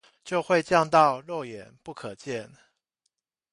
就會降到肉眼不可見